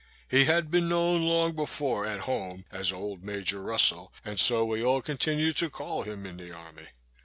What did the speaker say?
He had been known long before at home as old Major Russel, and so we all continued to call him in the army.